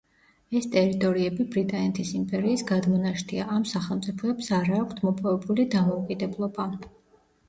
ეს ტერიტორიები ბრიტანეთის იმპერიის გადმონაშთია, ამ სახელმწიფოებს არა აქვთ მოპოვებული დამოუკიდებლობა.